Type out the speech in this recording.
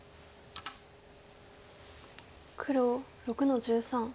黒６の十三。